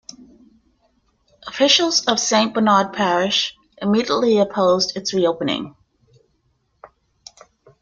Officials of Saint Bernard Parish immediately opposed its reopening.